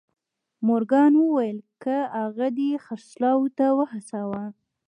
مورګان وويل که هغه دې خرڅلاو ته وهڅاوه.